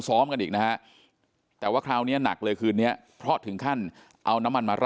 ซ้อมกันอีกนะฮะแต่ว่าคราวนี้หนักเลยคืนนี้เพราะถึงขั้นเอาน้ำมันมารอ